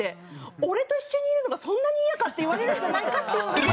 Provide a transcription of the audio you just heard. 「俺と一緒にいるのがそんなにイヤか？」って言われるんじゃないかっていうのだけ